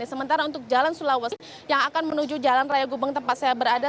sementara untuk jalan sulawesi yang akan menuju jalan raya gubeng tempat saya berada